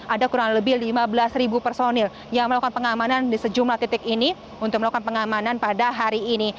ada kurang lebih lima belas personil yang melakukan pengamanan di sejumlah titik ini untuk melakukan pengamanan pada hari ini